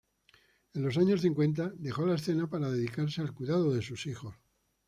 En los años cincuenta, dejó la escena para dedicarse al cuidado de sus hijos.